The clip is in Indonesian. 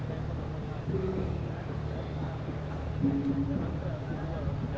lupa aku juga